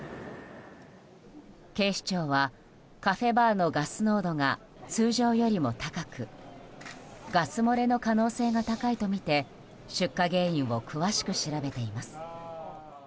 警視庁はカフェバーのガス濃度が通常よりも高くガス漏れの可能性が高いとみて出火原因を詳しく調べています。